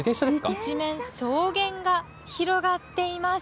一面草原が広がっています。